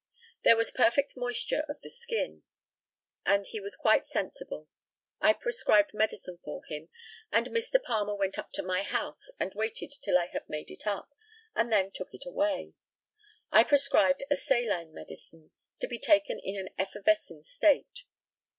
There was perfect moisture of the skin, and he was quite sensible. I prescribed medicine for him, and Mr. Palmer went up to my house and waited till I had made it up, and then took it away. I prescribed a saline medicine, to be taken in an effervescing state.